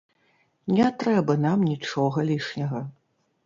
Не трэба нам нічога лішняга!